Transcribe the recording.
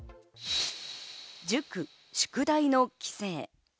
塾・宿題の規制。